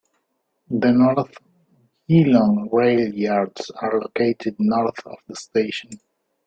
The North Geelong rail yards are located north of the station.